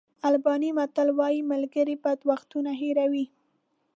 آلباني متل وایي ملګري بد وختونه هېروي.